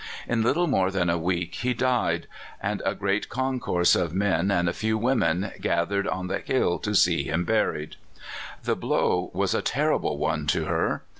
In little more than a week he died, and a great concourse of men and a few women gathered on the hill to see him buried. The blow was a terrible one to her.